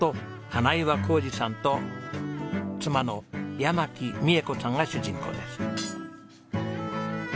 金岩宏二さんと妻の山木美恵子さんが主人公です。